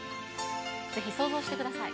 ぜひ想像してください。